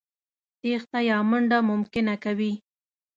تېښته يا منډه ممکنه کوي.